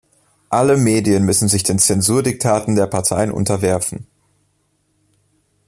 Alle Medien müssen sich den Zensurdiktaten der Parteien unterwerfen.